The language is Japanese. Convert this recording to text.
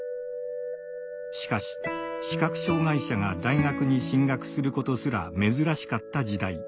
しかし視覚障害者が大学に進学することすら珍しかった時代。